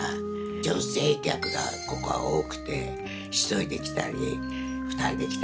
女性客がここは多くて１人で来たり２人で来たり。